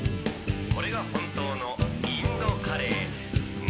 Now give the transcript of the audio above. これが本当のインドカレーなんちって」